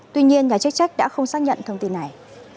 tuy nhiên nhà chức trách đã không xác nhận thông tin này